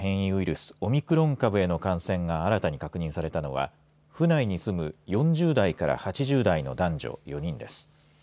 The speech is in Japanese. スオミクロン株への感染が新たに確認されたのは府内に住む４０代から８０代の男女４人です。